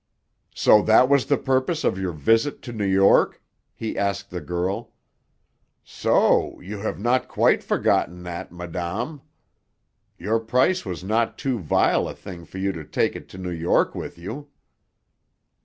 "So that was the purpose of your visit to New York?" he asked the girl. "So you have not quite forgotten that, madame! Your price was not too vile a thing for you to take it to New York with you!